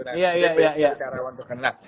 nah sudah berhasil karyawan terkena